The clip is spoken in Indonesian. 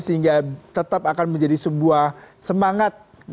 sehingga tetap akan menjadi sebuah semangat untuk mengikuti pemilu